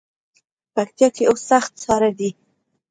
پکتیا کې اوس سخت ساړه دی.